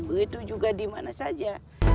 begitu juga dimana saja